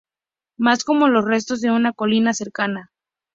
Más como los restos de una colina cercana.